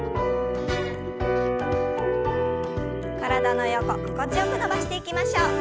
体の横心地よく伸ばしていきましょう。